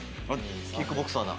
キックボクサーだ。